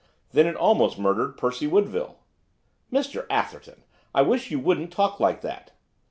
'Then it almost murdered Percy Woodville.' 'Mr Atherton! I wish you wouldn't talk like that.